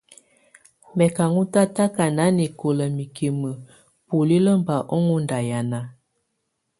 Mɛ̀ kà ɔ́n tataka nanɛkɔla mikimǝ bulilǝ́ bà ɔ́n ndahiana.